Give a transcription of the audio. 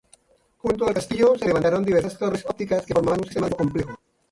Junto al castillo, se levantaron diversas torres ópticas que formaban un sistema defensivo complejo.